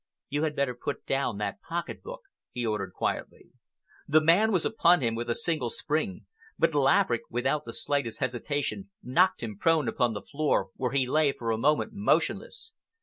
"You had better put down that pocket book," he ordered quietly. The man was upon him with a single spring, but Laverick, without the slightest hesitation, knocked him prone upon the floor, where he lay, for a moment, motionless.